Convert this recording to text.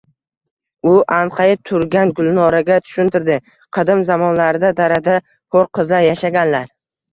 U anqayib turgan Gulnoraga tushuntirdi: qadim zamonlarda darada hur qizlar yashaganlar.